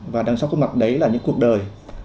và đằng sau khuôn mặt đấy là những cuộc đời